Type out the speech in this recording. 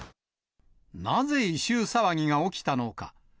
なぜ異臭騒ぎが起きたのか。